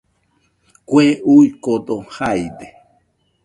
Kue uikode jaide